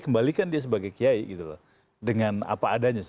kembalikan dia sebagai kiai dengan apa adanya